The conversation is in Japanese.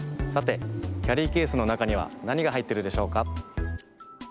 さてキャリーケースのなかにはなにがはいってるでしょうか？